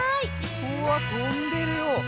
うわっとんでるよ。